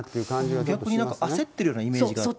逆になんか、焦ってるようなイメージがあって。